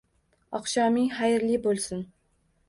Oqshoming xayrli bo'lsin!